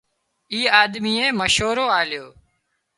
اي آۮميئي مشورو آليو